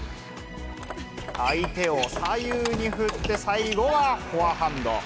相手を左右に振って、最後はフォアハンド。